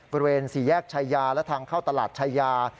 บริเวณสี่แยกชายาและทางเข้าตลาดชายา